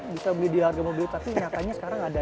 bisa beli di harga mobil tapi nyatanya sekarang ada